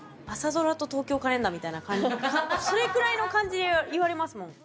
それくらいの感じで言われますもん。